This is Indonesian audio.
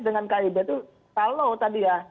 dengan kib itu kalau tadi ya